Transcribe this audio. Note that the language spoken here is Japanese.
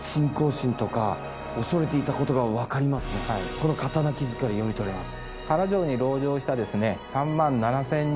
この刀傷から読み取れます。